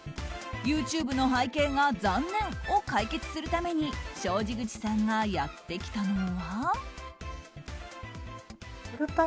ＹｏｕＴｕｂｅの背景が残念を解決するために小路口さんがやってきたのは。